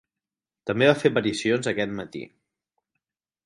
També va fer aparicions a "Aquest matí".